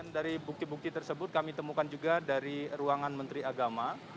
dari bukti bukti tersebut kami temukan juga dari ruangan menteri agama